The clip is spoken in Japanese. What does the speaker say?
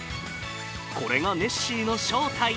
これが、ネッシーの正体。